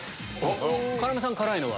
要さん辛いのは？